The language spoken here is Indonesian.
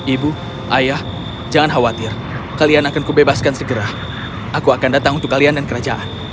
ibu ayah jangan khawatir kalian akan kubebaskan segera aku akan datang untuk kalian dan kerajaan